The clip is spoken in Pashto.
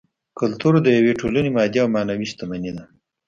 کولتور د یوې ټولنې مادي او معنوي شتمني ده